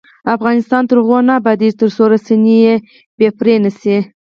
افغانستان تر هغو نه ابادیږي، ترڅو رسنۍ بې پرې نشي.